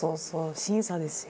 審査ですよ。